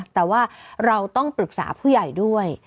แต่ว่าเราต้องปรึกษาผู้ใหญ่ด้วย